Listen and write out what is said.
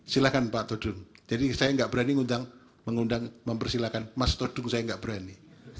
silakan pak todung jadi saya enggak berani mengundang mempersilahkan mas todung saya enggak berani